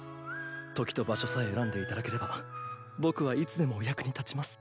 時と場所さえ選んでいただければ僕はいつでもお役に立ちます。